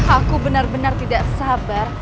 aku benar benar tidak sabar